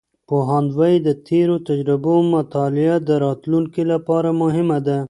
پوهاند وایي، د تیرو تجربو مطالعه د راتلونکي لپاره مهمه ده.